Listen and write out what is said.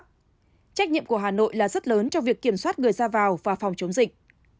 trách nhiệm của hà nội là rất lớn trong việc kiểm soát người ra vào và phòng chống dịch